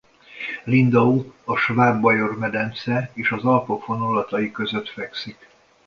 Lindau a Sváb-Bajor-medence és az Alpok vonulatai között fekszik.